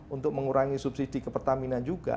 untuk mengurangi subsidi kepertaminan juga